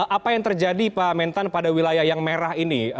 apa yang terjadi pak mentan pada wilayah yang merah ini